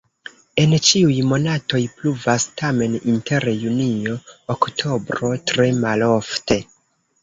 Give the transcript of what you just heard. En ĉiuj monatoj pluvas, tamen inter junio-oktobro tre malofte.